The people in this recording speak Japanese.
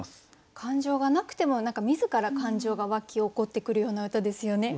感情がなくても自ら感情が湧き起こってくるような歌ですよね。